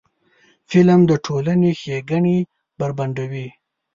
فلم د ټولنې ښېګڼې بربنډوي